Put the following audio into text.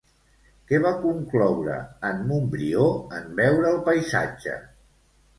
Què va concloure en Montbrió en veure el paisatge?